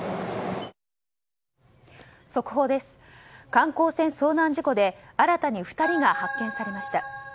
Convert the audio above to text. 観光船遭難事故で新たに２人が発見されました。